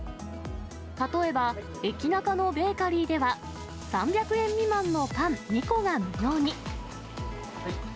例えば、エキナカのベーカリーでは、３００円未満のパン２個が無料に。